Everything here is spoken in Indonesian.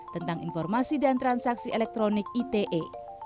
tentang informasi dan transaksi elektronik ite